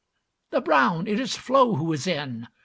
The brown! It is Flo who is in!